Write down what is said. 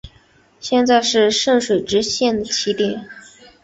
现在是圣水支线的起点。